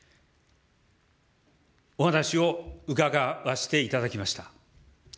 お話を伺わせていただきました。